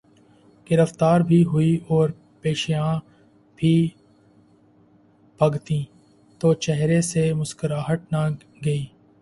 گرفتار بھی ہوئے اورپیشیاں بھی بھگتیں تو چہرے سے مسکراہٹ نہ گئی۔